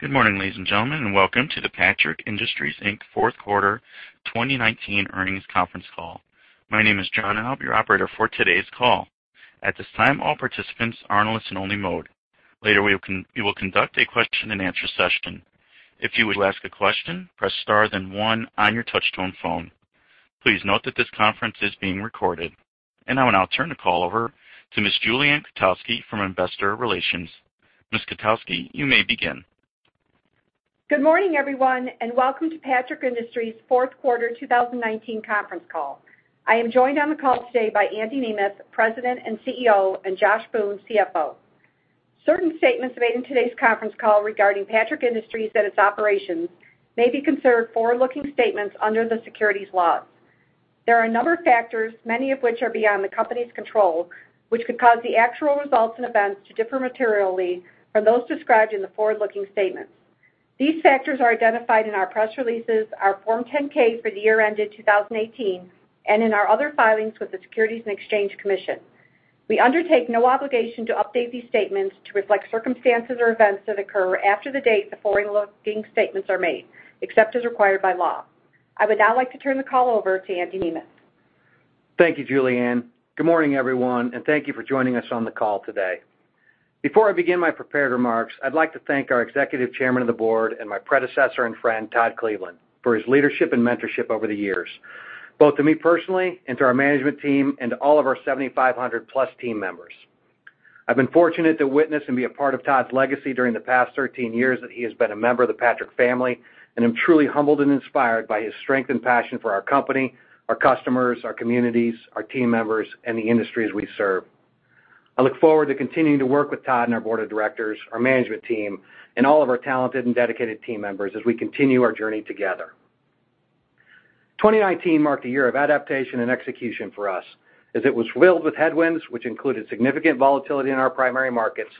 Good morning, ladies and gentlemen, welcome to the Patrick Industries Inc. fourth quarter 2019 earnings conference call. My name is John, and I'll be your operator for today's call. At this time, all participants are in listen-only mode. Later, we will conduct a question and answer session. If you would like to ask a question, press star, then one on your touch-tone phone. Please note that this conference is being recorded. Now I'll turn the call over to Ms. Julie Ann Kotowski from Investor Relations. Ms. Kotowski, you may begin. Good morning, everyone, and welcome to Patrick Industries' fourth quarter 2019 conference call. I am joined on the call today by Andy Nemeth, President and CEO, and Josh Boone, CFO. Certain statements made in today's conference call regarding Patrick Industries and its operations may be considered forward-looking statements under the securities laws. There are a number of factors, many of which are beyond the company's control, which could cause the actual results and events to differ materially from those described in the forward-looking statements. These factors are identified in our press releases, our Form 10-K for the year ended 2018, and in our other filings with the Securities and Exchange Commission. We undertake no obligation to update these statements to reflect circumstances or events that occur after the date the forward-looking statements are made, except as required by law. I would now like to turn the call over to Andy Nemeth. Thank you, Julianne. Good morning, everyone, thank you for joining us on the call today. Before I begin my prepared remarks, I'd like to thank our Executive Chairman of the Board and my predecessor and friend, Todd Cleveland, for his leadership and mentorship over the years, both to me personally and to our management team and to all of our 7,500-plus team members. I've been fortunate to witness and be a part of Todd's legacy during the past 13 years that he has been a member of the Patrick family, I'm truly humbled and inspired by his strength and passion for our company, our customers, our communities, our team members, and the industries we serve. I look forward to continuing to work with Todd and our board of directors, our management team, and all of our talented and dedicated team members as we continue our journey together. 2019 marked a year of adaptation and execution for us as it was filled with headwinds, which included significant volatility in our primary markets,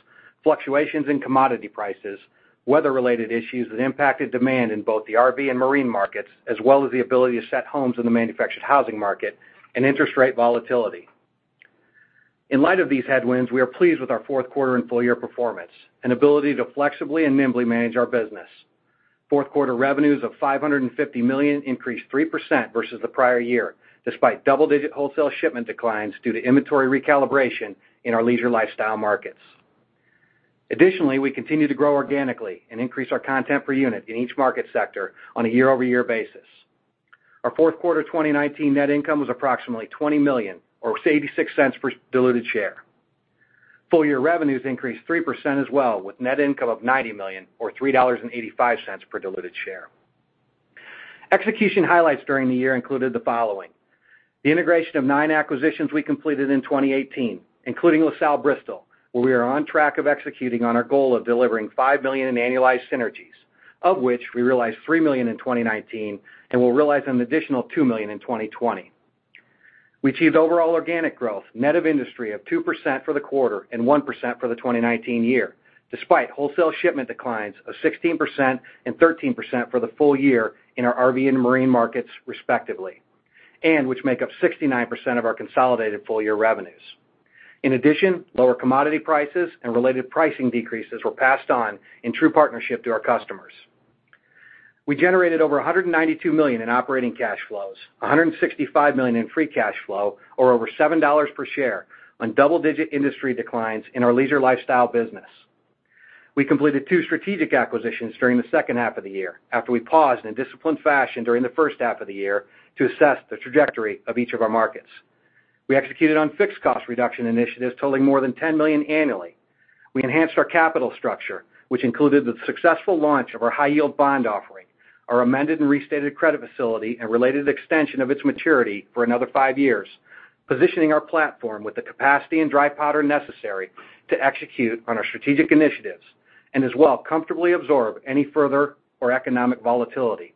fluctuations in commodity prices, weather-related issues that impacted demand in both the RV and marine markets, as well as the ability to set homes in the manufactured housing market and interest rate volatility. In light of these headwinds, we are pleased with our fourth quarter and full-year performance and ability to flexibly and nimbly manage our business. Fourth quarter revenues of $550 million increased 3% versus the prior year, despite double-digit wholesale shipment declines due to inventory recalibration in our leisure lifestyle markets. Additionally, we continue to grow organically and increase our content per unit in each market sector on a year-over-year basis. Our fourth quarter 2019 net income was approximately $20 million, or $0.86 per diluted share. Full-year revenues increased 3% as well, with net income of $90 million or $3.85 per diluted share. Execution highlights during the year included the following. The integration of nine acquisitions we completed in 2018, including LaSalle Bristol, where we are on track of executing on our goal of delivering $5 million in annualized synergies, of which we realized $3 million in 2019 and will realize an additional $2 million in 2020. We achieved overall organic growth net of industry of 2% for the quarter and 1% for the 2019 year, despite wholesale shipment declines of 16% and 13% for the full year in our RV and marine markets, respectively, and which make up 69% of our consolidated full-year revenues. In addition, lower commodity prices and related pricing decreases were passed on in true partnership to our customers. We generated over $192 million in operating cash flows, $165 million in free cash flow, or over $7 per share on double-digit industry declines in our leisure lifestyle business. We completed two strategic acquisitions during the second half of the year after we paused in a disciplined fashion during the first half of the year to assess the trajectory of each of our markets. We executed on fixed cost reduction initiatives totaling more than $10 million annually. We enhanced our capital structure, which included the successful launch of our high-yield bond offering, our amended and restated credit facility, and related extension of its maturity for another five years, positioning our platform with the capacity and dry powder necessary to execute on our strategic initiatives and as well comfortably absorb any further or economic volatility.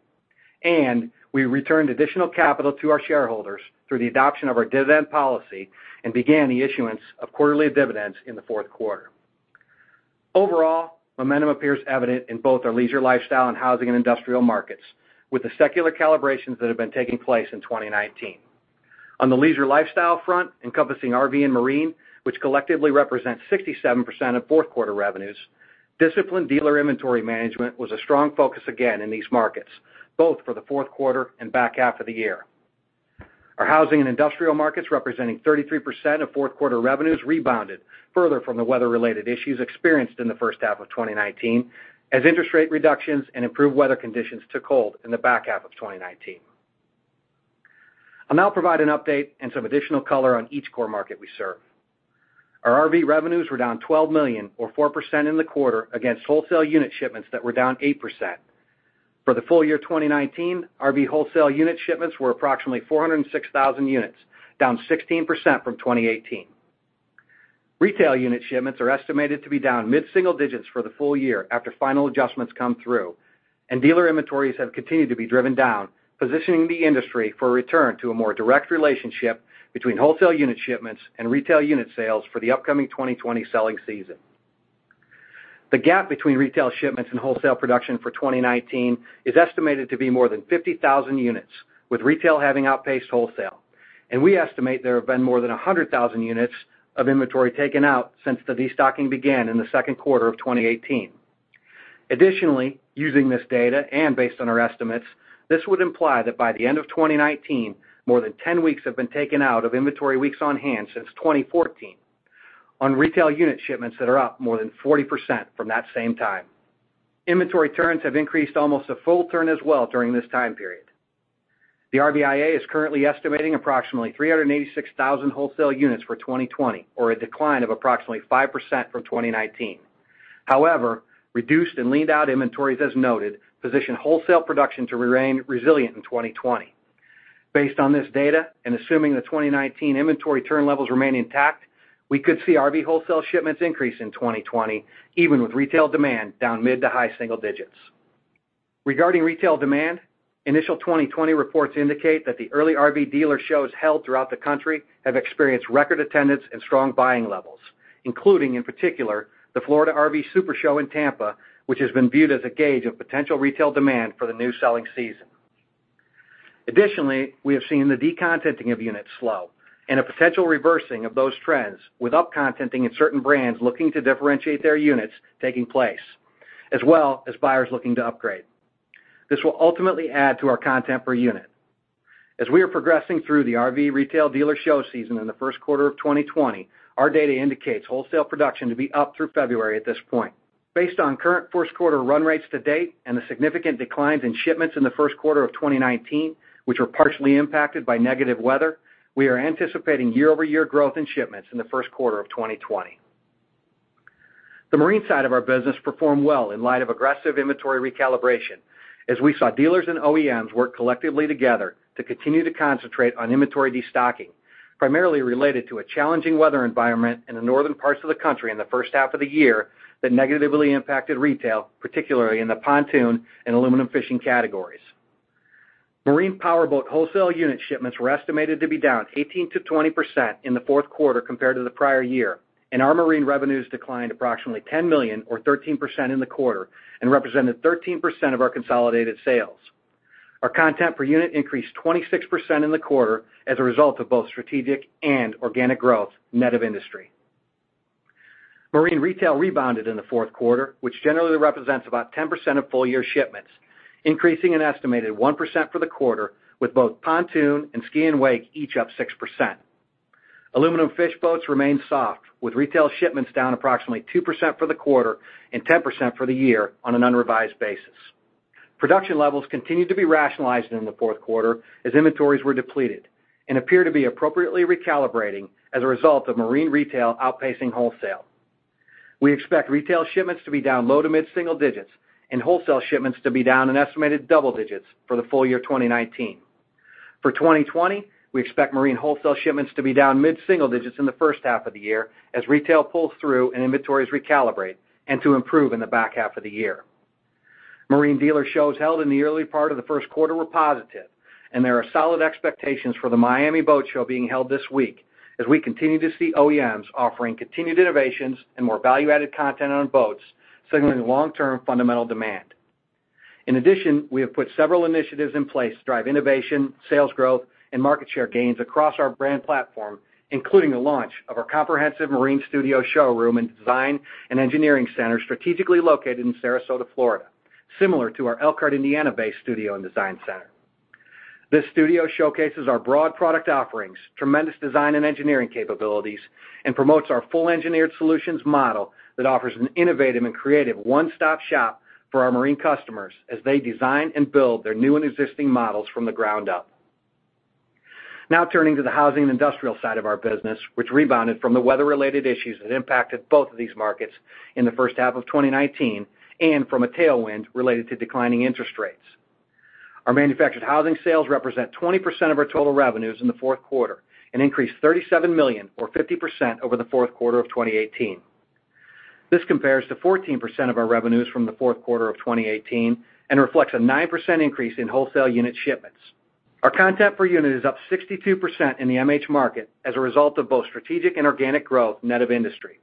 We returned additional capital to our shareholders through the adoption of our dividend policy and began the issuance of quarterly dividends in the fourth quarter. Overall, momentum appears evident in both our leisure lifestyle and housing and industrial markets, with the secular calibrations that have been taking place in 2019. On the leisure lifestyle front, encompassing RV and marine, which collectively represents 67% of fourth quarter revenues, disciplined dealer inventory management was a strong focus again in these markets, both for the fourth quarter and back half of the year. Our housing and industrial markets, representing 33% of fourth quarter revenues, rebounded further from the weather-related issues experienced in the first half of 2019 as interest rate reductions and improved weather conditions took hold in the back half of 2019. I'll now provide an update and some additional color on each core market we serve. Our RV revenues were down $12 million or 4% in the quarter against wholesale unit shipments that were down 8%. For the full year 2019, RV wholesale unit shipments were approximately 406,000 units, down 16% from 2018. Retail unit shipments are estimated to be down mid-single digits for the full year after final adjustments come through, dealer inventories have continued to be driven down, positioning the industry for a return to a more direct relationship between wholesale unit shipments and retail unit sales for the upcoming 2020 selling season. The gap between retail shipments and wholesale production for 2019 is estimated to be more than 50,000 units, with retail having outpaced wholesale. We estimate there have been more than 100,000 units of inventory taken out since the destocking began in the second quarter of 2018. Additionally, using this data and based on our estimates, this would imply that by the end of 2019, more than 10 weeks have been taken out of inventory weeks on hand since 2014 on retail unit shipments that are up more than 40% from that same time. Inventory turns have increased almost a full turn as well during this time period. The RVIA is currently estimating approximately 386,000 wholesale units for 2020, or a decline of approximately 5% from 2019. However, reduced and leaned-out inventories, as noted, position wholesale production to remain resilient in 2020. Based on this data, and assuming the 2019 inventory turn levels remain intact, we could see RV wholesale shipments increase in 2020, even with retail demand down mid to high single digits. Regarding retail demand, initial 2020 reports indicate that the early RV dealer shows held throughout the country have experienced record attendance and strong buying levels, including, in particular, the Florida RV SuperShow in Tampa, which has been viewed as a gauge of potential retail demand for the new selling season. Additionally, we have seen the decontenting of units slow and a potential reversing of those trends with upcontenting in certain brands looking to differentiate their units taking place, as well as buyers looking to upgrade. This will ultimately add to our content per unit. As we are progressing through the RV retail dealer show season in the first quarter of 2020, our data indicates wholesale production to be up through February at this point. Based on current 1st quarter run rates to date and the significant declines in shipments in the 1st quarter of 2019, which were partially impacted by negative weather, we are anticipating year-over-year growth in shipments in the 1st quarter of 2020. The marine side of our business performed well in light of aggressive inventory recalibration, as we saw dealers and OEMs work collectively together to continue to concentrate on inventory destocking, primarily related to a challenging weather environment in the northern parts of the country in the 1st half of the year that negatively impacted retail, particularly in the pontoon and aluminum fishing categories. Marine powerboat wholesale unit shipments were estimated to be down 18%-20% in the 4th quarter compared to the prior year, and our marine revenues declined approximately $10 million, or 13%, in the quarter and represented 13% of our consolidated sales. Our content per unit increased 26% in the quarter as a result of both strategic and organic growth net of industry. Marine retail rebounded in the fourth quarter, which generally represents about 10% of full-year shipments, increasing an estimated 1% for the quarter, with both pontoon and ski and wake each up 6%. Aluminum fish boats remained soft, with retail shipments down approximately 2% for the quarter and 10% for the year on an unrevised basis. Production levels continued to be rationalized in the fourth quarter as inventories were depleted and appear to be appropriately recalibrating as a result of marine retail outpacing wholesale. We expect retail shipments to be down low to mid-single digits and wholesale shipments to be down an estimated double digits for the full year 2019. For 2020, we expect marine wholesale shipments to be down mid-single digits in the first half of the year as retail pulls through and inventories recalibrate and to improve in the back half of the year. Marine dealer shows held in the early part of the first quarter were positive, and there are solid expectations for the Miami Boat Show being held this week as we continue to see OEMs offering continued innovations and more value-added content on boats, signaling long-term fundamental demand. In addition, we have put several initiatives in place to drive innovation, sales growth, and market share gains across our brand platform, including the launch of our comprehensive Marine Studio Showroom and Design and Engineering Center strategically located in Sarasota, Florida, similar to our Elkhart, Indiana-based studio and design center. This studio showcases our broad product offerings, tremendous design and engineering capabilities, and promotes our full engineered solutions model that offers an innovative and creative one-stop shop for our marine customers as they design and build their new and existing models from the ground up. Turning to the housing and industrial side of our business, which rebounded from the weather-related issues that impacted both of these markets in the first half of 2019 and from a tailwind related to declining interest rates. Our manufactured housing sales represent 20% of our total revenues in the fourth quarter and increased $37 million or 50% over the fourth quarter of 2018. This compares to 14% of our revenues from the fourth quarter of 2018 and reflects a 9% increase in wholesale unit shipments. Our content per unit is up 62% in the MH market as a result of both strategic and organic growth net of industry.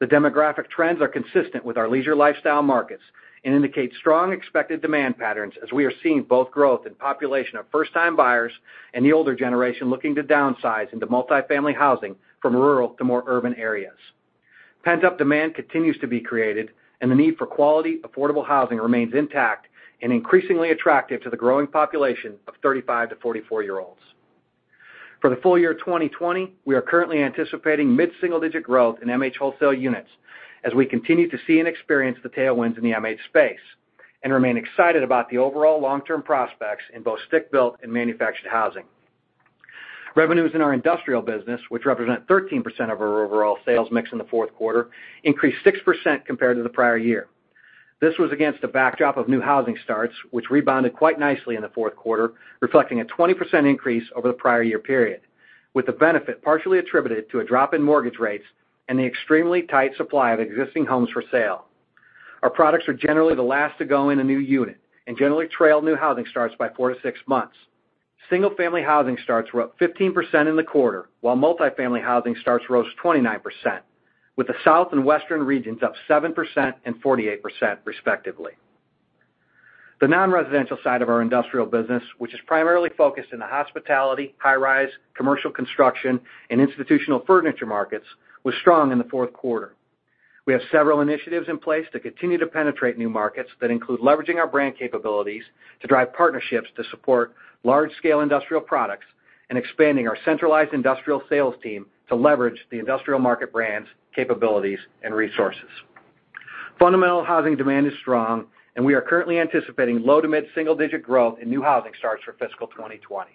The demographic trends are consistent with our leisure lifestyle markets and indicate strong expected demand patterns as we are seeing both growth in population of first-time buyers and the older generation looking to downsize into multifamily housing from rural to more urban areas. Pent-up demand continues to be created, and the need for quality, affordable housing remains intact and increasingly attractive to the growing population of 35 to 44-year-olds. For the full year 2020, we are currently anticipating mid-single-digit growth in MH wholesale units as we continue to see and experience the tailwinds in the MH space and remain excited about the overall long-term prospects in both stick-built and manufactured housing. Revenues in our industrial business, which represent 13% of our overall sales mix in the fourth quarter, increased 6% compared to the prior year. This was against a backdrop of new housing starts, which rebounded quite nicely in the fourth quarter, reflecting a 20% increase over the prior year period, with the benefit partially attributed to a drop in mortgage rates and the extremely tight supply of existing homes for sale. Our products are generally the last to go in a new unit and generally trail new housing starts by four to six months. Single-family housing starts were up 15% in the quarter, while multifamily housing starts rose 29%, with the South and Western regions up 7% and 48% respectively. The non-residential side of our industrial business, which is primarily focused in the hospitality, high-rise, commercial construction, and institutional furniture markets, was strong in the fourth quarter. We have several initiatives in place to continue to penetrate new markets that include leveraging our brand capabilities to drive partnerships to support large-scale industrial products and expanding our centralized industrial sales team to leverage the industrial market brands, capabilities, and resources. Fundamental housing demand is strong, and we are currently anticipating low to mid single-digit growth in new housing starts for fiscal 2020.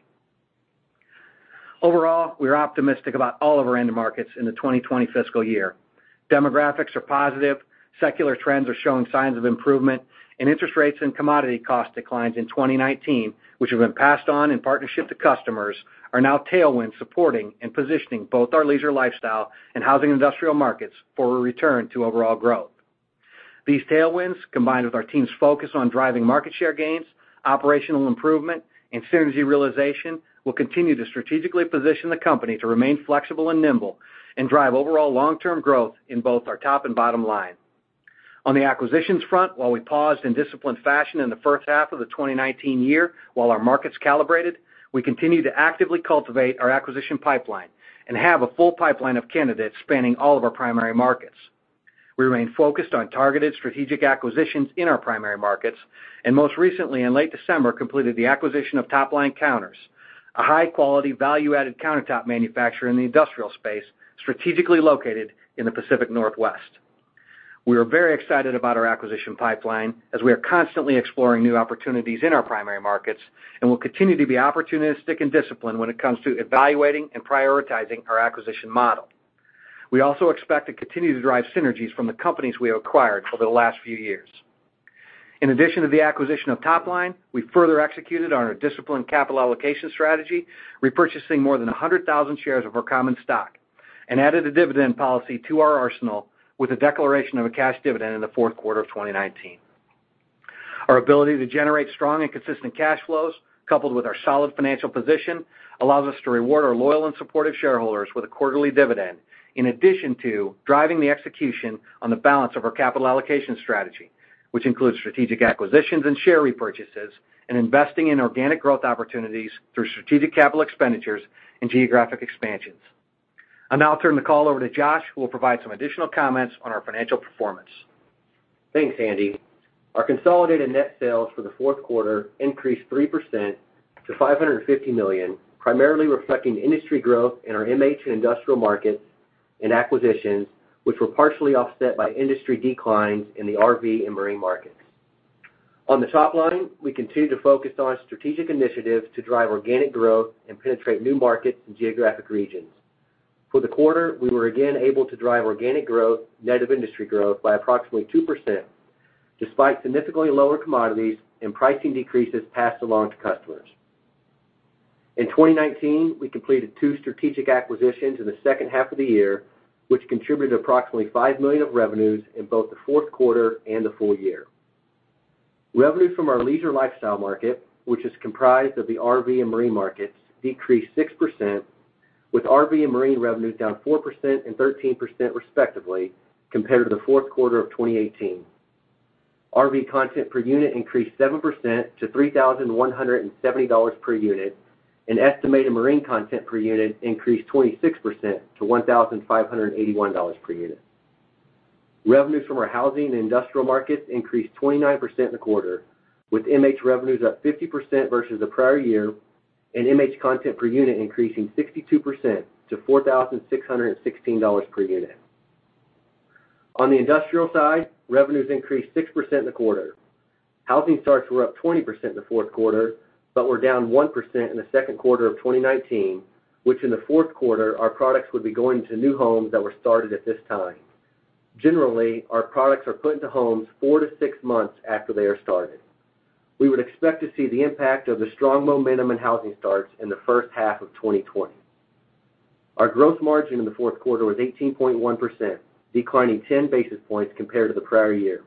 Overall, we are optimistic about all of our end markets in the 2020 fiscal year. Demographics are positive. Secular trends are showing signs of improvement, and interest rates and commodity cost declines in 2019, which have been passed on in partnership to customers, are now tailwinds supporting and positioning both our leisure lifestyle and housing industrial markets for a return to overall growth. These tailwinds, combined with our team's focus on driving market share gains, operational improvement, and synergy realization, will continue to strategically position the company to remain flexible and nimble and drive overall long-term growth in both our top and bottom line. On the acquisitions front, while we paused in disciplined fashion in the first half of the 2019 year while our markets calibrated, we continue to actively cultivate our acquisition pipeline and have a full pipeline of candidates spanning all of our primary markets. We remain focused on targeted strategic acquisitions in our primary markets, and most recently, in late December, completed the acquisition of Topline Counters, a high-quality, value-added countertop manufacturer in the industrial space, strategically located in the Pacific Northwest. We are very excited about our acquisition pipeline as we are constantly exploring new opportunities in our primary markets and will continue to be opportunistic and disciplined when it comes to evaluating and prioritizing our acquisition model. We also expect to continue to drive synergies from the companies we acquired over the last few years. In addition to the acquisition of Topline, we further executed on our disciplined capital allocation strategy, repurchasing more than 100,000 shares of our common stock and added a dividend policy to our arsenal with a declaration of a cash dividend in the fourth quarter of 2019. Our ability to generate strong and consistent cash flows, coupled with our solid financial position, allows us to reward our loyal and supportive shareholders with a quarterly dividend in addition to driving the execution on the balance of our capital allocation strategy, which includes strategic acquisitions and share repurchases and investing in organic growth opportunities through strategic capital expenditures and geographic expansions. I'll now turn the call over to Josh, who will provide some additional comments on our financial performance. Thanks, Andy. Our consolidated net sales for the fourth quarter increased 3% to $550 million, primarily reflecting industry growth in our MH and industrial markets and acquisitions, which were partially offset by industry declines in the RV and marine markets. On the top line, we continue to focus on strategic initiatives to drive organic growth and penetrate new markets and geographic regions. For the quarter, we were again able to drive organic growth net of industry growth by approximately 2%, despite significantly lower commodities and pricing decreases passed along to customers. In 2019, we completed two strategic acquisitions in the second half of the year, which contributed approximately $5 million of revenues in both the fourth quarter and the full year. Revenues from our leisure lifestyle market, which is comprised of the RV and marine markets, decreased 6%, with RV and marine revenues down 4% and 13% respectively compared to the fourth quarter of 2018. RV content per unit increased 7% to $3,170 per unit, and estimated marine content per unit increased 26% to $1,581 per unit. Revenues from our housing and industrial markets increased 29% in the quarter, with MH revenues up 50% versus the prior year and MH content per unit increasing 62% to $4,616 per unit. On the industrial side, revenues increased 6% in the quarter. Housing starts were up 20% in the fourth quarter, but were down 1% in the second quarter of 2019, which in the fourth quarter, our products would be going to new homes that were started at this time. Generally, our products are put into homes four to six months after they are started. We would expect to see the impact of the strong momentum in housing starts in the first half of 2020. Our gross margin in the fourth quarter was 18.1%, declining 10 basis points compared to the prior year,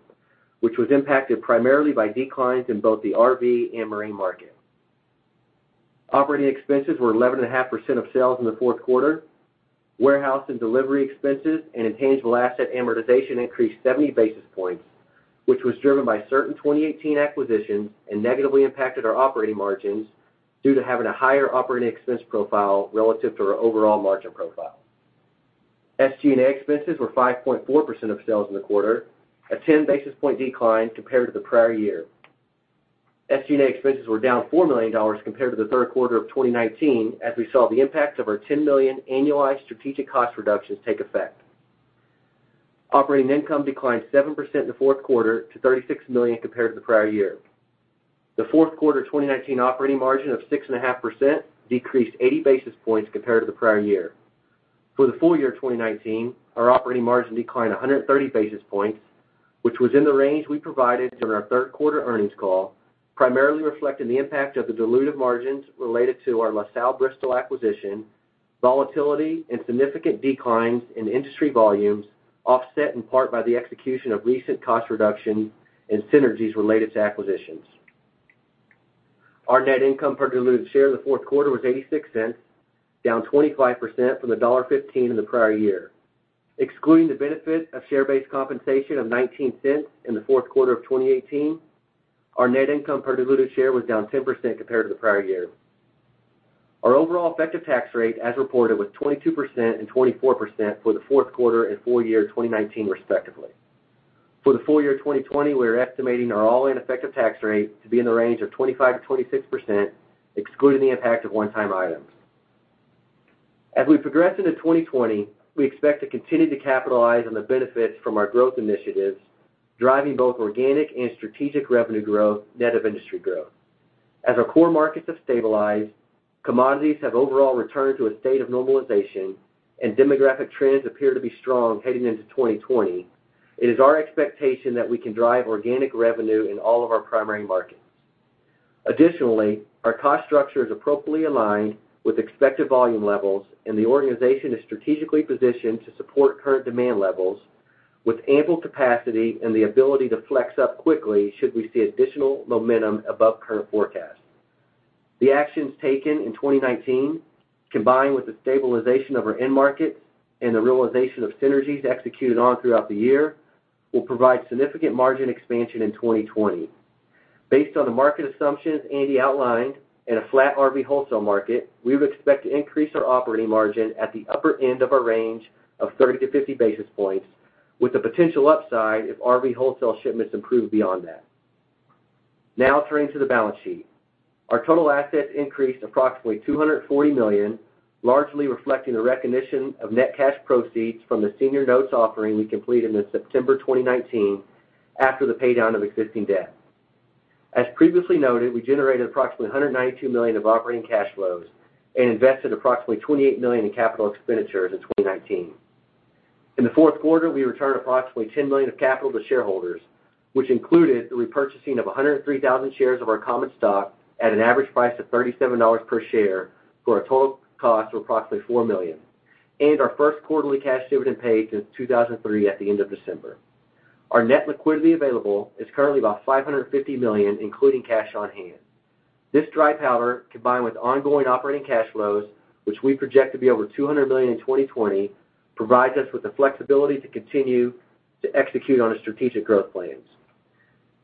which was impacted primarily by declines in both the RV and marine market. Operating expenses were 11.5% of sales in the fourth quarter. Warehouse and delivery expenses and intangible asset amortization increased 70 basis points, which was driven by certain 2018 acquisitions and negatively impacted our operating margins due to having a higher operating expense profile relative to our overall margin profile. SG&A expenses were 5.4% of sales in the quarter, a 10 basis point decline compared to the prior year. SG&A expenses were down $4 million compared to the third quarter of 2019 as we saw the impact of our $10 million annualized strategic cost reductions take effect. Operating income declined 7% in the fourth quarter to $36 million compared to the prior year. The fourth quarter 2019 operating margin of 6.5% decreased 80 basis points compared to the prior year. For the full year 2019, our operating margin declined 130 basis points, which was in the range we provided during our third quarter earnings call, primarily reflecting the impact of the dilutive margins related to our LaSalle Bristol acquisition, volatility, and significant declines in industry volumes, offset in part by the execution of recent cost reduction and synergies related to acquisitions. Our net income per diluted share in the fourth quarter was $0.86, down 25% from the $1.15 in the prior year. Excluding the benefit of share-based compensation of $0.19 in the fourth quarter of 2018, our net income per diluted share was down 10% compared to the prior year. Our overall effective tax rate, as reported, was 22% and 24% for the fourth quarter and full year 2019 respectively. For the full year 2020, we are estimating our all-in effective tax rate to be in the range of 25%-26%, excluding the impact of one-time items. As we progress into 2020, we expect to continue to capitalize on the benefits from our growth initiatives, driving both organic and strategic revenue growth net of industry growth. As our core markets have stabilized, commodities have overall returned to a state of normalization, and demographic trends appear to be strong heading into 2020, it is our expectation that we can drive organic revenue in all of our primary markets. Our cost structure is appropriately aligned with expected volume levels, and the organization is strategically positioned to support current demand levels with ample capacity and the ability to flex up quickly should we see additional momentum above current forecast. The actions taken in 2019, combined with the stabilization of our end markets and the realization of synergies executed on throughout the year, will provide significant margin expansion in 2020. Based on the market assumptions Andy outlined and a flat RV wholesale market, we would expect to increase our operating margin at the upper end of a range of 30 to 50 basis points, with the potential upside if RV wholesale shipments improve beyond that. Turning to the balance sheet. Our total assets increased approximately $240 million, largely reflecting the recognition of net cash proceeds from the senior notes offering we completed in September 2019 after the paydown of existing debt. As previously noted, we generated approximately $192 million of operating cash flows and invested approximately $28 million in capital expenditures in 2019. In the fourth quarter, we returned approximately $10 million of capital to shareholders, which included the repurchasing of 103,000 shares of our common stock at an average price of $37 per share for a total cost of approximately $4 million, and our first quarterly cash dividend paid since 2003 at the end of December. Our net liquidity available is currently about $550 million, including cash on hand. This dry powder, combined with ongoing operating cash flows, which we project to be over $200 million in 2020, provides us with the flexibility to continue to execute on our strategic growth plans.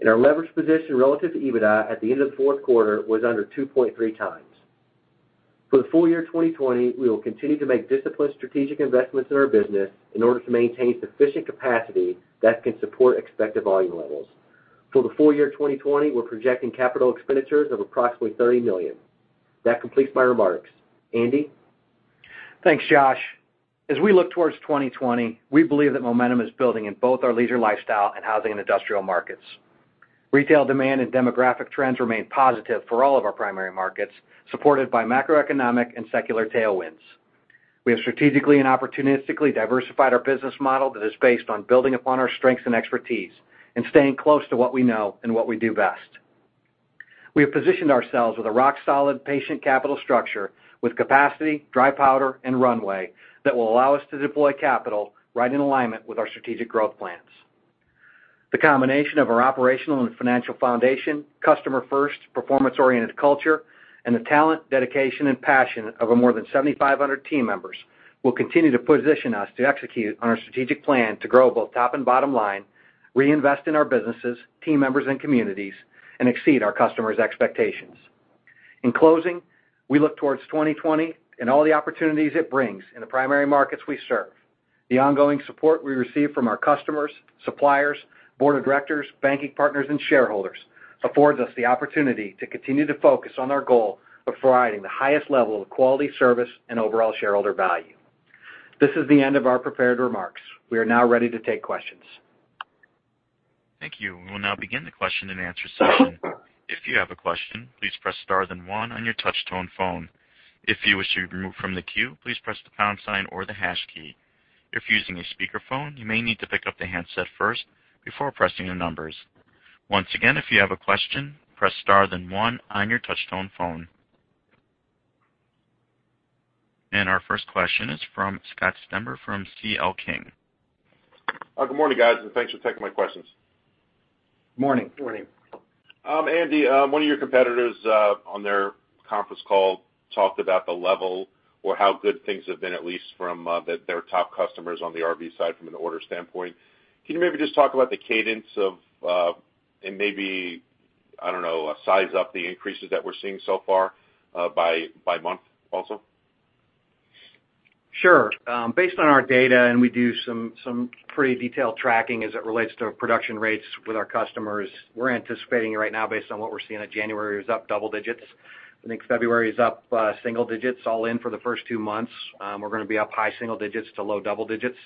Our leverage position relative to EBITDA at the end of the fourth quarter was under 2.3 times. For the full year 2020, we will continue to make disciplined strategic investments in our business in order to maintain sufficient capacity that can support expected volume levels. For the full year 2020, we're projecting capital expenditures of approximately $30 million. That completes my remarks. Andy? Thanks, Josh. As we look towards 2020, we believe that momentum is building in both our leisure lifestyle and housing and industrial markets. Retail demand and demographic trends remain positive for all of our primary markets, supported by macroeconomic and secular tailwinds. We have strategically and opportunistically diversified our business model that is based on building upon our strengths and expertise and staying close to what we know and what we do best. We have positioned ourselves with a rock-solid, patient capital structure with capacity, dry powder, and runway that will allow us to deploy capital right in alignment with our strategic growth plans. The combination of our operational and financial foundation, customer-first, performance-oriented culture, and the talent, dedication, and passion of our more than 7,500 team members will continue to position us to execute on our strategic plan to grow both top and bottom line, reinvest in our businesses, team members, and communities, and exceed our customers' expectations. In closing, we look towards 2020 and all the opportunities it brings in the primary markets we serve. The ongoing support we receive from our customers, suppliers, board of directors, banking partners, and shareholders affords us the opportunity to continue to focus on our goal of providing the highest level of quality service and overall shareholder value. This is the end of our prepared remarks. We are now ready to take questions. Thank you. We will now begin the question and answer session. If you have a question, please press star then one on your touch-tone phone. If you wish to be removed from the queue, please press the pound sign or the hash key. If using a speakerphone, you may need to pick up the handset first before pressing the numbers. Once again, if you have a question, press star then one on your touch-tone phone. Our first question is from Scott Stember from C.L. King. Good morning, guys, and thanks for taking my questions. Morning. Morning. Andy, one of your competitors on their conference call talked about the level or how good things have been, at least from their top customers on the RV side from an order standpoint. Can you maybe just talk about the cadence of and maybe, I don't know, size up the increases that we're seeing so far by month also? Sure. Based on our data, and we do some pretty detailed tracking as it relates to production rates with our customers, we're anticipating right now, based on what we're seeing, that January was up double digits. I think February is up single digits. All in for the first two months, we're going to be up high single digits to low double digits.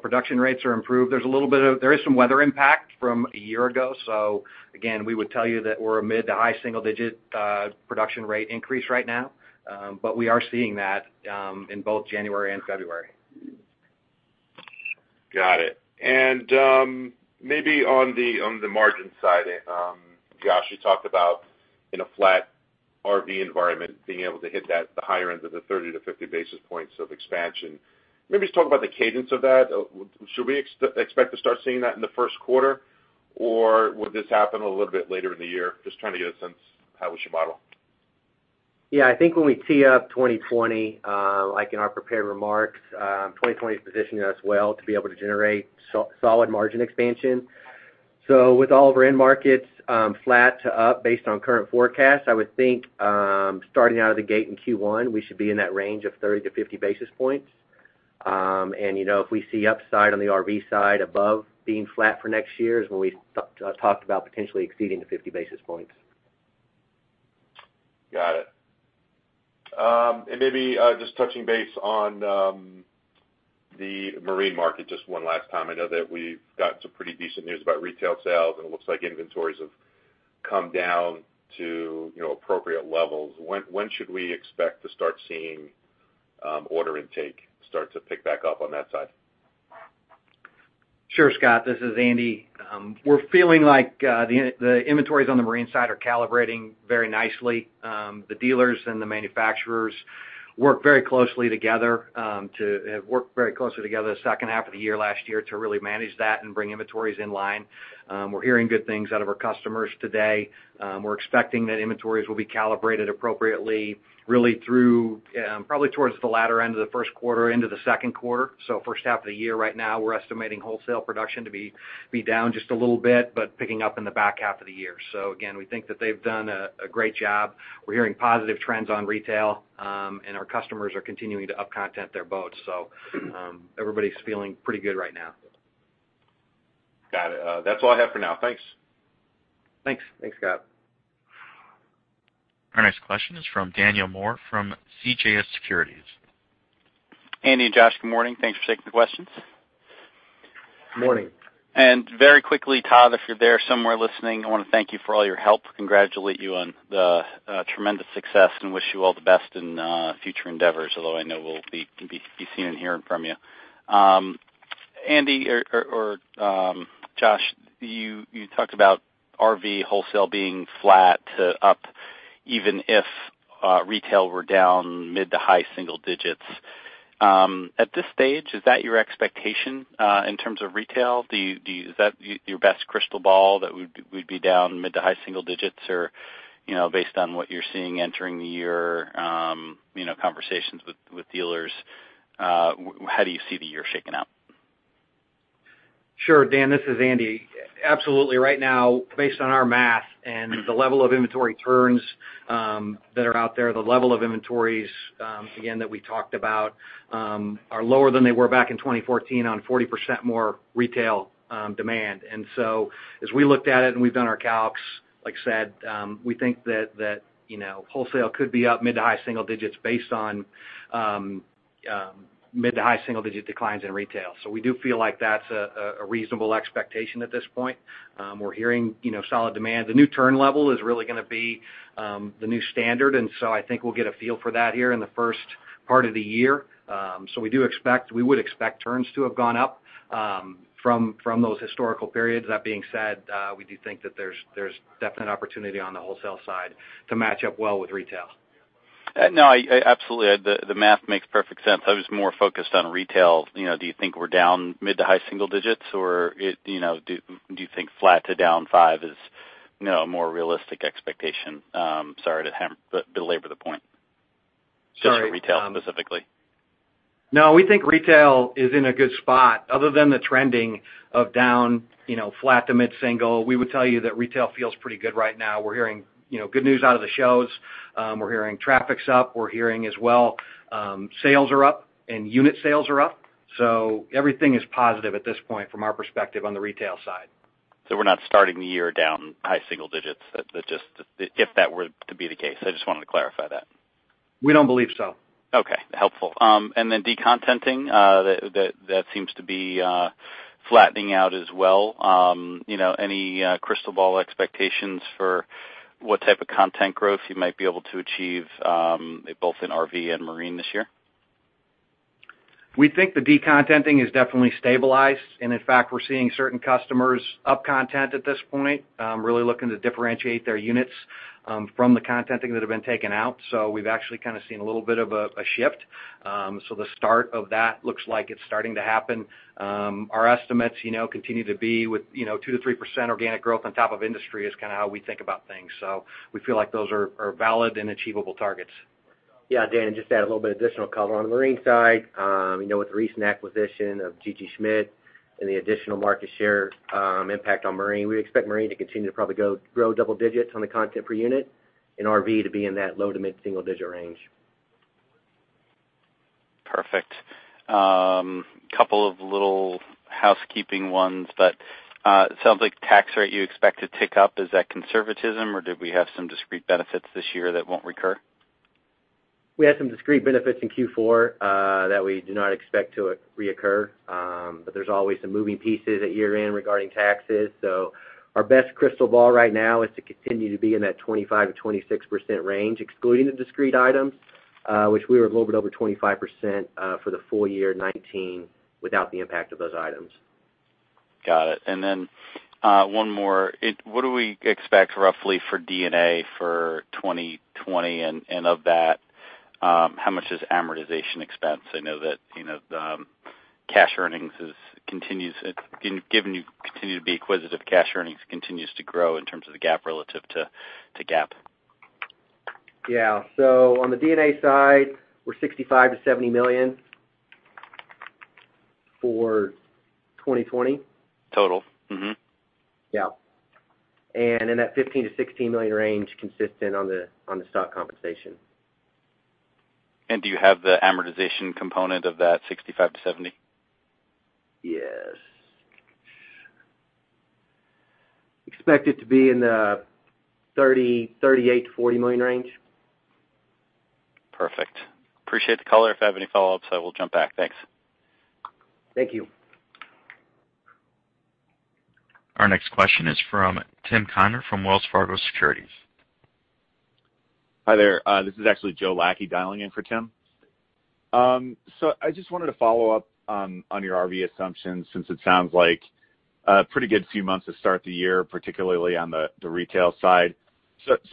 Production rates are improved. There is some weather impact from a year ago, so again, we would tell you that we're a mid to high single-digit production rate increase right now. We are seeing that in both January and February. Got it. Maybe on the margin side, Josh, you talked about in a flat RV environment, being able to hit that, the higher end of the 30-50 basis points of expansion. Maybe just talk about the cadence of that. Should we expect to start seeing that in the first quarter? Would this happen a little bit later in the year? Just trying to get a sense how we should model. Yeah, I think when we tee up 2020, like in our prepared remarks, 2020 is positioning us well to be able to generate solid margin expansion. With all of our end markets flat to up based on current forecasts, I would think, starting out of the gate in Q1, we should be in that range of 30-50 basis points. If we see upside on the RV side above being flat for next year is when we talked about potentially exceeding the 50 basis points. Got it. Maybe just touching base on the marine market just one last time. I know that we've got some pretty decent news about retail sales, and it looks like inventories have come down to appropriate levels. When should we expect to start seeing order intake start to pick back up on that side? Sure, Scott, this is Andy. We're feeling like the inventories on the marine side are calibrating very nicely. The dealers and the manufacturers worked very closely together the second half of the year last year to really manage that and bring inventories in line. We're hearing good things out of our customers today. We're expecting that inventories will be calibrated appropriately, really through probably towards the latter end of the first quarter into the second quarter. First half of the year right now, we're estimating wholesale production to be down just a little bit, but picking up in the back half of the year. Again, we think that they've done a great job. We're hearing positive trends on retail, and our customers are continuing to up content their boats. Everybody's feeling pretty good right now. Got it. That's all I have for now. Thanks. Thanks. Thanks, Scott. Our next question is from Daniel Moore from CJS Securities. Andy and Josh, good morning. Thanks for taking the questions. Morning. Very quickly, Todd, if you're there somewhere listening, I want to thank you for all your help, congratulate you on the tremendous success, and wish you all the best in future endeavors, although I know we'll be seeing and hearing from you. Andy or Josh, you talked about RV wholesale being flat to up, even if retail were down mid to high single digits. At this stage, is that your expectation in terms of retail? Is that your best crystal ball that we'd be down mid to high single digits? Based on what you're seeing entering the year, conversations with dealers, how do you see the year shaking out? Sure, Dan. This is Andy. Absolutely. Right now, based on our math and the level of inventory turns that are out there, the level of inventories, again, that we talked about, are lower than they were back in 2014 on 40% more retail demand. As we looked at it and we've done our calcs, like I said, we think that wholesale could be up mid to high single digits based on mid to high single digit declines in retail. We do feel like that's a reasonable expectation at this point. We're hearing solid demand. The new turn level is really going to be the new standard, I think we'll get a feel for that here in the first part of the year. We would expect turns to have gone up from those historical periods. That being said, we do think that there's definite opportunity on the wholesale side to match up well with retail. No, absolutely. The math makes perfect sense. I was more focused on retail. Do you think we're down mid to high single digits, or do you think flat to down five is a more realistic expectation? Sorry to belabor the point. Sorry. Just for retail specifically. No, we think retail is in a good spot. Other than the trending of down flat to mid-single, we would tell you that retail feels pretty good right now. We're hearing good news out of the shows. We're hearing traffic's up. We're hearing as well sales are up and unit sales are up. Everything is positive at this point from our perspective on the retail side. We're not starting the year down high single digits. If that were to be the case, I just wanted to clarify that. We don't believe so. Okay. Helpful. Then decontenting, that seems to be flattening out as well. Any crystal ball expectations for what type of content growth you might be able to achieve both in RV and marine this year? We think the decontenting is definitely stabilized. In fact, we're seeing certain customers up content at this point, really looking to differentiate their units from the content that have been taken out. We've actually kind of seen a little bit of a shift. The start of that looks like it's starting to happen. Our estimates continue to be with 2%-3% organic growth on top of industry is kind of how we think about things. We feel like those are valid and achievable targets. Yeah, Dan, just to add a little bit of additional color. On the marine side, with the recent acquisition of G.G. Schmitt and the additional market share impact on marine, we expect marine to continue to probably grow double digits on the content per unit and RV to be in that low to mid-single-digit range. Perfect. Couple of little housekeeping ones. It sounds like tax rate you expect to tick up. Is that conservatism, or did we have some discrete benefits this year that won't recur? We had some discrete benefits in Q4 that we do not expect to reoccur. There's always some moving pieces at year-end regarding taxes. Our best crystal ball right now is to continue to be in that 25%-26% range, excluding the discrete items, which we were a little bit over 25% for the full year 2019 without the impact of those items. Got it. One more. What do we expect roughly for D&A for 2020? Of that, how much is amortization expense? I know that given you continue to be acquisitive, cash earnings continues to grow in terms of the GAAP relative to GAAP. Yeah. On the D&A side, we're $65 million-$70 million for 2020. Total? Mm-hmm. Yeah. In that $15 million-$16 million range, consistent on the stock compensation. Do you have the amortization component of that $65-$70? Yes. Expect it to be in the $38 million-$40 million range. Perfect. Appreciate the color. If I have any follow-ups, I will jump back. Thanks. Thank you. Our next question is from Timothy Connor from Wells Fargo Securities. Hi there. This is actually Joe Lackey dialing in for Tim. I just wanted to follow up on your RV assumptions, since it sounds like a pretty good few months to start the year, particularly on the retail side.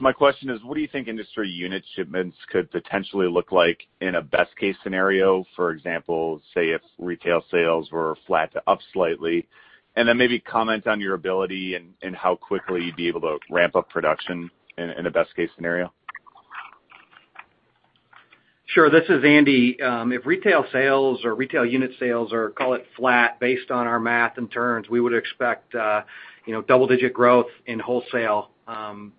My question is, what do you think industry unit shipments could potentially look like in a best case scenario? For example, say if retail sales were flat to up slightly. Maybe comment on your ability and how quickly you'd be able to ramp up production in a best case scenario. Sure. This is Andy. If retail sales or retail unit sales are, call it, flat based on our math and turns, we would expect double-digit growth in wholesale,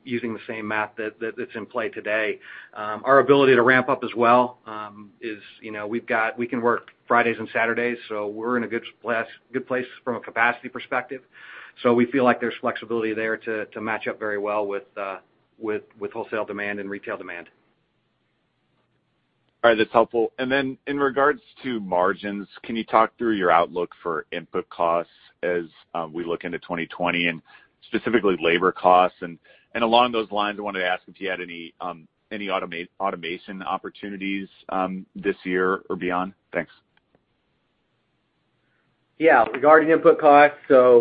using the same math that's in play today. Our ability to ramp up as well is, we can work Fridays and Saturdays, so we're in a good place from a capacity perspective. We feel like there's flexibility there to match up very well with wholesale demand and retail demand. All right. That's helpful. Then in regards to margins, can you talk through your outlook for input costs as we look into 2020 and specifically labor costs? Along those lines, I wanted to ask if you had any automation opportunities this year or beyond. Thanks. Yeah. Regarding input costs,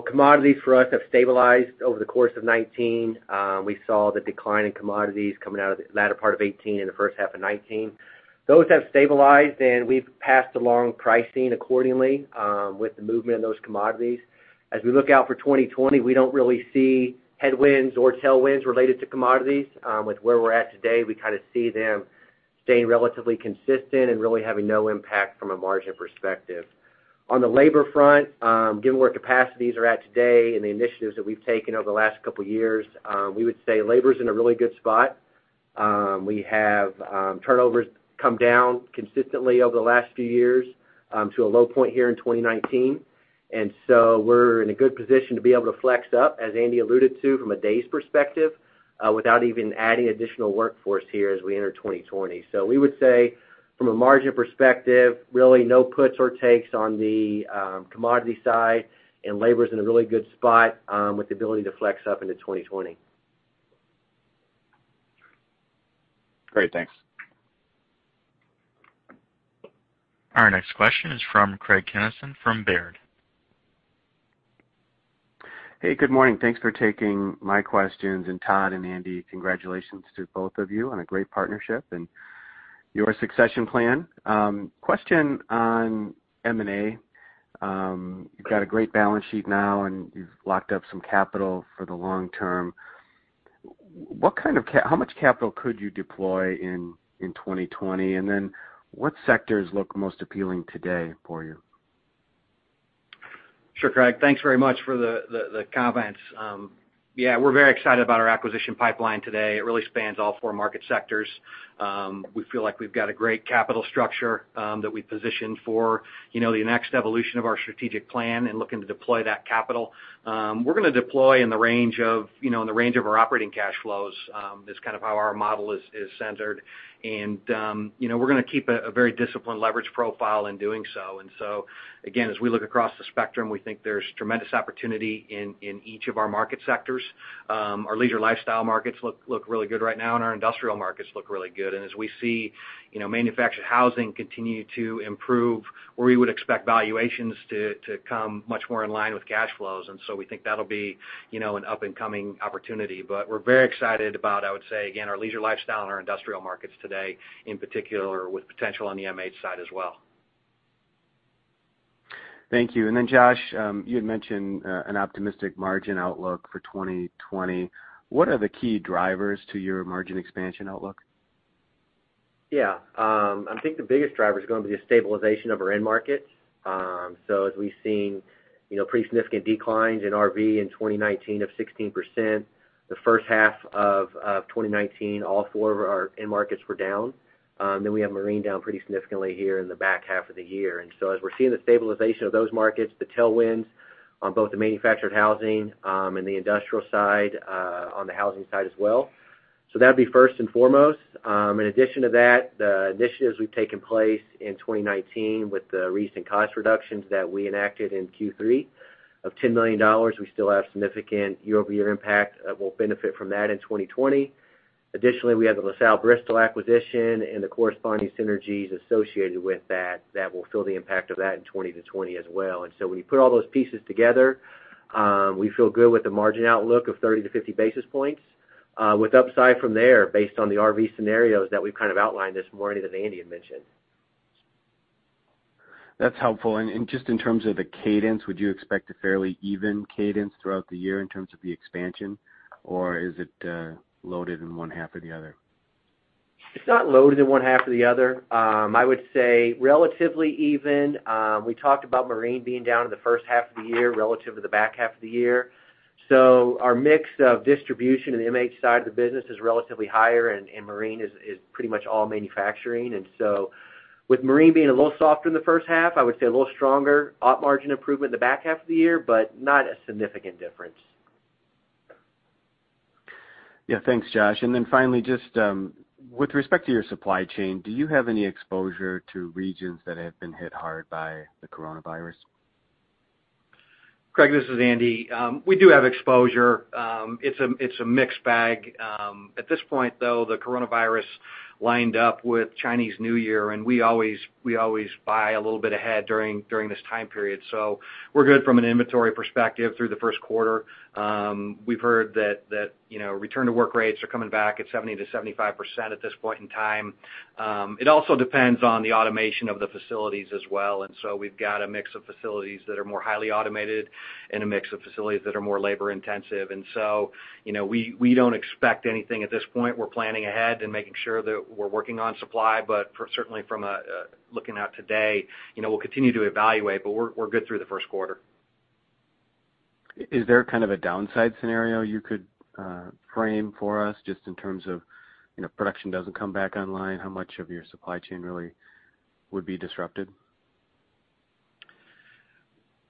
commodities for us have stabilized over the course of 2019. We saw the decline in commodities coming out of the latter part of 2018 and the first half of 2019. Those have stabilized, we've passed along pricing accordingly, with the movement of those commodities. As we look out for 2020, we don't really see headwinds or tailwinds related to commodities. With where we're at today, we kind of see them staying relatively consistent and really having no impact from a margin perspective. On the labor front, given where capacities are at today and the initiatives that we've taken over the last couple of years, we would say labor's in a really good spot. We have turnovers come down consistently over the last few years, to a low point here in 2019. We're in a good position to be able to flex up, as Andy alluded to, from a days perspective, without even adding additional workforce here as we enter 2020. We would say, from a margin perspective, really no puts or takes on the commodity side, and labor's in a really good spot, with the ability to flex up into 2020. Great. Thanks. Our next question is from Craig Kennison from Baird. Hey, good morning. Thanks for taking my questions. Todd and Andy, congratulations to both of you on a great partnership and your succession plan. Question on M&A. You've got a great balance sheet now, and you've locked up some capital for the long term. How much capital could you deploy in 2020? What sectors look most appealing today for you? Sure, Craig. Thanks very much for the comments. Yeah, we're very excited about our acquisition pipeline today. It really spans all four market sectors. We feel like we've got a great capital structure that we've positioned for the next evolution of our strategic plan and looking to deploy that capital. We're going to deploy in the range of our operating cash flows, is kind of how our model is centered. We're going to keep a very disciplined leverage profile in doing so. Again, as we look across the spectrum, we think there's tremendous opportunity in each of our market sectors. Our leisure lifestyle markets look really good right now, and our industrial markets look really good. As we see manufactured housing continue to improve, where we would expect valuations to come much more in line with cash flows. We think that'll be an up-and-coming opportunity. We're very excited about, I would say again, our leisure lifestyle and our industrial markets today, in particular with potential on the MH side as well. Thank you. Josh, you had mentioned an optimistic margin outlook for 2020. What are the key drivers to your margin expansion outlook? Yeah. I think the biggest driver is going to be the stabilization of our end markets. As we've seen pretty significant declines in RV in 2019 of 16%, the first half of 2019, all four of our end markets were down. We have marine down pretty significantly here in the back half of the year. As we're seeing the stabilization of those markets, the tailwinds on both the manufactured housing, and the industrial side, on the housing side as well. That'd be first and foremost. In addition to that, the initiatives we've taken place in 2019 with the recent cost reductions that we enacted in Q3 of $10 million. We still have significant year-over-year impact that will benefit from that in 2020. Additionally, we have the LaSalle Bristol acquisition and the corresponding synergies associated with that will feel the impact of that in 2020 as well. When you put all those pieces together, we feel good with the margin outlook of 30 to 50 basis points, with upside from there based on the RV scenarios that we've kind of outlined this morning that Andy had mentioned. That's helpful. Just in terms of the cadence, would you expect a fairly even cadence throughout the year in terms of the expansion, or is it loaded in one half or the other? It's not loaded in one half or the other. I would say relatively even. We talked about marine being down in the first half of the year relative to the back half of the year. Our mix of distribution in the MH side of the business is relatively higher, and marine is pretty much all manufacturing. With marine being a little softer in the first half, I would say a little stronger op margin improvement in the back half of the year, but not a significant difference. Yeah, thanks, Josh. Finally, just with respect to your supply chain, do you have any exposure to regions that have been hit hard by the coronavirus? Craig, this is Andy. We do have exposure. It's a mixed bag. At this point, though, the coronavirus lined up with Chinese New Year, and we always buy a little bit ahead during this time period. We're good from an inventory perspective through the first quarter. We've heard that return-to-work rates are coming back at 70%-75% at this point in time. It also depends on the automation of the facilities as well, and so we've got a mix of facilities that are more highly automated and a mix of facilities that are more labor-intensive. We don't expect anything at this point. We're planning ahead and making sure that we're working on supply. Certainly from looking out today, we'll continue to evaluate, but we're good through the first quarter. Is there kind of a downside scenario you could frame for us just in terms of if production doesn't come back online, how much of your supply chain really would be disrupted?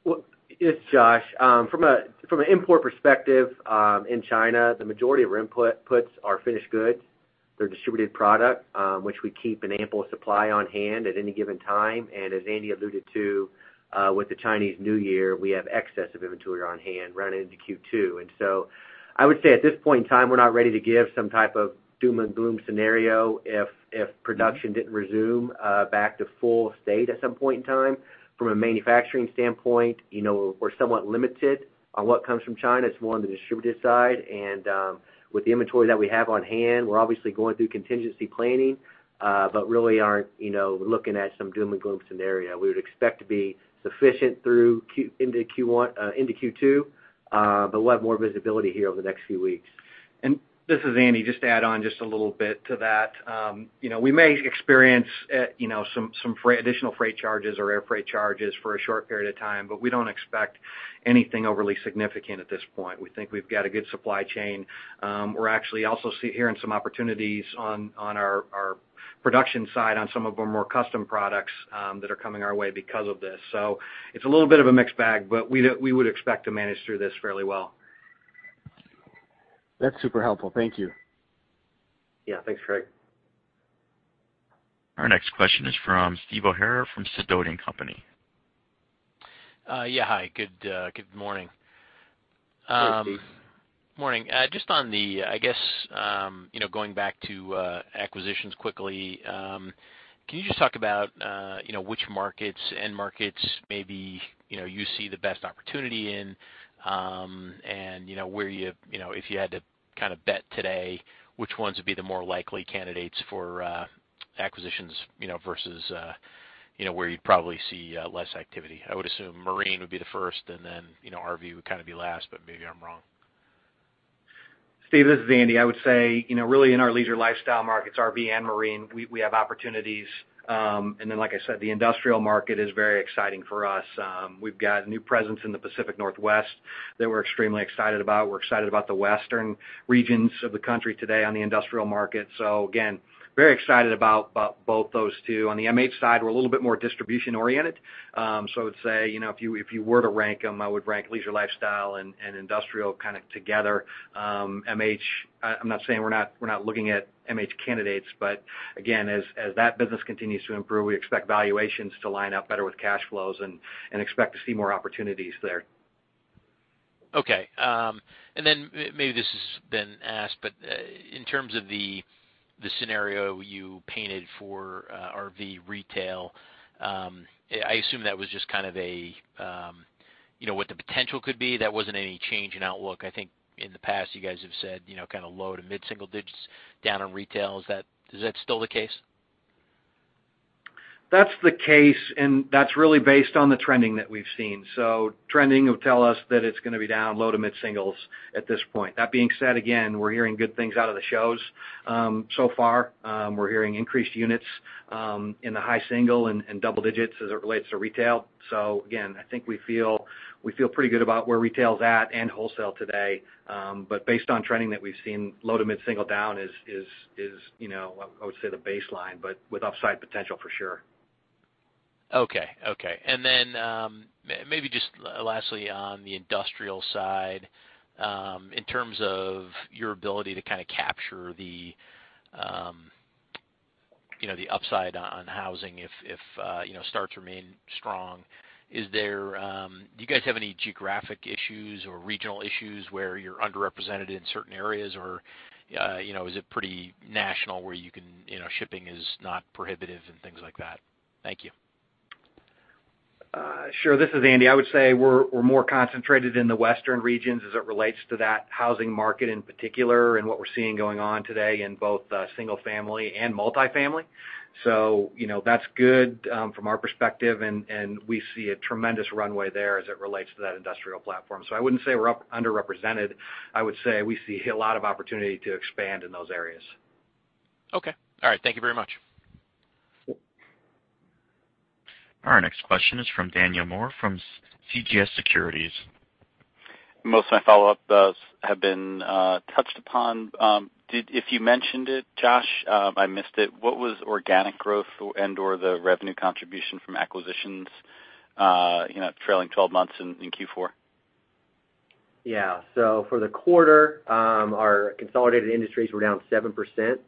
Well, it's Josh. From an import perspective, in China, the majority of our inputs are finished goods. They're distributed product, which we keep an ample supply on hand at any given time. As Andy alluded to, with the Chinese New Year, we have excess of inventory on hand right into Q2. I would say at this point in time, we're not ready to give some type of doom and gloom scenario if production didn't resume back to full state at some point in time. From a manufacturing standpoint, we're somewhat limited on what comes from China. It's more on the distributed side. With the inventory that we have on hand, we're obviously going through contingency planning, but really aren't looking at some doom and gloom scenario. We would expect to be sufficient into Q2, but we'll have more visibility here over the next few weeks. This is Andy. Just to add on just a little bit to that. We may experience some additional freight charges or air freight charges for a short period of time, we don't expect anything overly significant at this point. We think we've got a good supply chain. We're actually also hearing some opportunities on our production side on some of our more custom products that are coming our way because of this. It's a little bit of a mixed bag, we would expect to manage through this fairly well. That's super helpful. Thank you. Yeah, thanks, Craig. Our next question is from Steve O'Hara from Sidoti & Company. Yeah, hi. Good morning. Hey, Steve. Morning. Just on the, I guess, going back to acquisitions quickly. Can you just talk about which end markets maybe you see the best opportunity in? If you had to kind of bet today, which ones would be the more likely candidates for acquisitions versus where you'd probably see less activity? I would assume marine would be the first, and then RV would kind of be last, but maybe I'm wrong. Steve, this is Andy. I would say, really in our leisure lifestyle markets, RV and marine, we have opportunities. Then, like I said, the industrial market is very exciting for us. We've got a new presence in the Pacific Northwest that we're extremely excited about. We're excited about the western regions of the country today on the industrial market. Again, very excited about both those two. On the MH side, we're a little bit more distribution-oriented. I would say, if you were to rank them, I would rank leisure lifestyle and industrial kind of together. MH, I'm not saying we're not looking at MH candidates, but again, as that business continues to improve, we expect valuations to line up better with cash flows and expect to see more opportunities there. Okay. Maybe this has been asked, but in terms of the scenario you painted for RV retail, I assume that was just kind of a what the potential could be. That wasn't any change in outlook. I think in the past you guys have said kind of low- to mid-single digits down in retail. Is that still the case? That's the case, and that's really based on the trending that we've seen. Trending will tell us that it's going to be down low to mid-singles at this point. That being said, again, we're hearing good things out of the shows. So far, we're hearing increased units in the high single and double digits as it relates to retail. Again, I think we feel pretty good about where retail's at and wholesale today. Based on trending that we've seen, low to mid-single down is, I would say, the baseline, but with upside potential for sure. Okay. Then maybe just lastly on the industrial side, in terms of your ability to kind of capture the upside on housing if starts remain strong. Do you guys have any geographic issues or regional issues where you're underrepresented in certain areas? Or is it pretty national where shipping is not prohibitive and things like that? Thank you. Sure. This is Andy. I would say we're more concentrated in the Western regions as it relates to that housing market in particular, and what we're seeing going on today in both single-family and multifamily. That's good from our perspective, and we see a tremendous runway there as it relates to that industrial platform. I wouldn't say we're underrepresented. I would say we see a lot of opportunity to expand in those areas. Okay. All right. Thank you very much. Our next question is from Daniel Moore from CJS Securities. Most of my follow-up has been touched upon. If you mentioned it, Josh, I missed it. What was organic growth and/or the revenue contribution from acquisitions trailing 12 months in Q4? For the quarter, our consolidated industries were down 7%,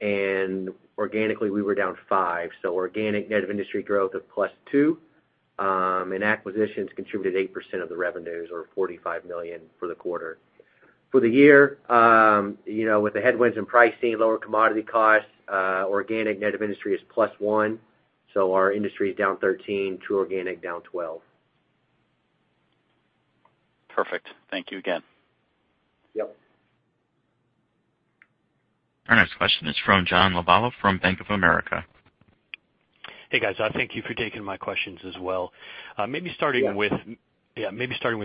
and organically, we were down 5%. Organic net of industry growth of plus 2%, and acquisitions contributed 8% of the revenues or $45 million for the quarter. For the year, with the headwinds in pricing, lower commodity costs, organic net of industry is plus 1%. Our industry is down 13%, true organic down 12%. Perfect. Thank you again. Yep. Our next question is from John Lovallo from Bank of America. Hey, guys. Thank you for taking my questions as well. Yes. Maybe starting with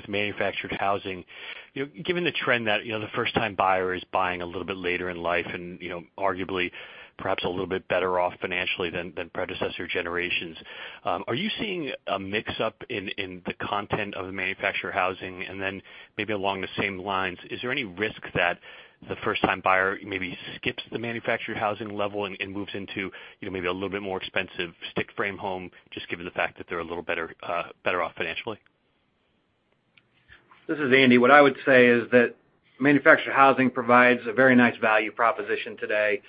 manufactured housing. Given the trend that the first-time buyer is buying a little bit later in life and arguably perhaps a little bit better off financially than predecessor generations, are you seeing a mix-up in the content of the manufactured housing? Then maybe along the same lines, is there any risk that the first-time buyer maybe skips the manufactured housing level and moves into maybe a little bit more expensive stick frame home, just given the fact that they're a little better off financially? This is Andy. What I would say is that manufactured housing provides a very nice value proposition today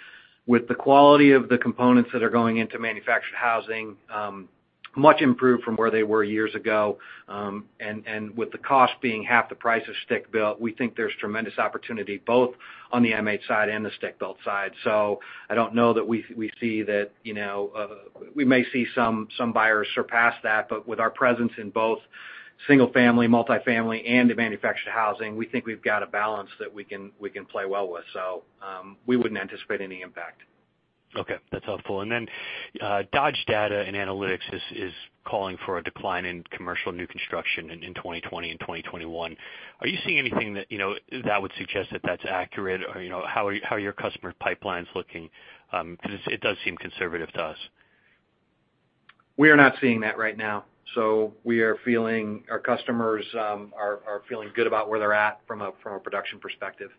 with the quality of the components that are going into manufactured housing much improved from where they were years ago. With the cost being half the price of stick-built, we think there's tremendous opportunity both on the MH side and the stick-built side. I don't know that we see that. We may see some buyers surpass that. With our presence in both single family, multifamily, and the manufactured housing, we think we've got a balance that we can play well with. We wouldn't anticipate any impact. Okay, that's helpful. Dodge Data & Analytics is calling for a decline in commercial new construction in 2020 and 2021. Are you seeing anything that would suggest that that's accurate? Or how are your customer pipelines looking? Because it does seem conservative to us. We are not seeing that right now. We are feeling our customers are feeling good about where they're at from a production perspective.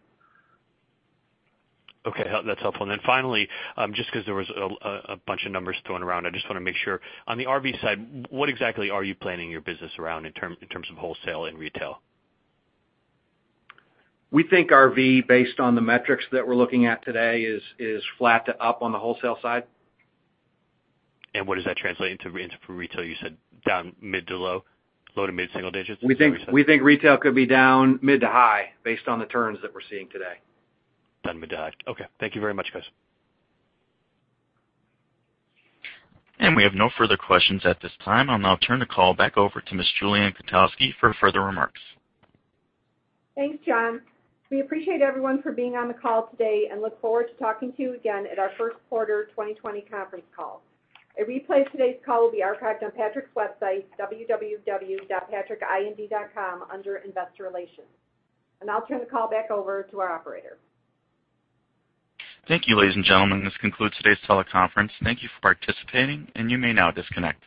Okay. That's helpful. Finally, just because there was a bunch of numbers thrown around, I just want to make sure. On the RV side, what exactly are you planning your business around in terms of wholesale and retail? We think RV, based on the metrics that we're looking at today, is flat to up on the wholesale side. What does that translate into for retail? You said down mid to low? Low to mid single digits? Is that what you said? We think retail could be down mid to high based on the turns that we're seeing today. Down mid to high. Okay. Thank you very much, guys. We have no further questions at this time. I'll now turn the call back over to Ms. Julianne Kotowski for further remarks. Thanks, John. We appreciate everyone for being on the call today and look forward to talking to you again at our first quarter 2020 conference call. A replay of today's call will be archived on Patrick's website, www.patrickind.com, under Investor Relations. I'll turn the call back over to our operator. Thank you, ladies and gentlemen. This concludes today's teleconference. Thank you for participating, and you may now disconnect.